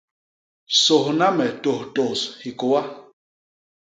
Sôhna me tôhtôs hikôa.